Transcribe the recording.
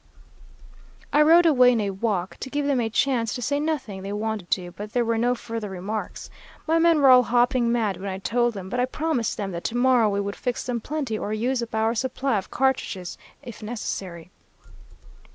"I rode away in a walk, to give them a chance to say anything they wanted to, but there were no further remarks. My men were all hopping mad when I told them, but I promised them that to morrow we would fix them plenty or use up our supply of cartridges if necessary.